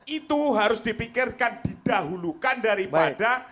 itu harus dipikirkan didahulukan daripada